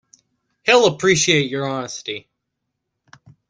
He'll appreciate your honesty.